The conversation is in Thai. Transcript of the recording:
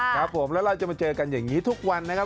ครับผมแล้วเราจะมาเจอกันอย่างนี้ทุกวันนะครับ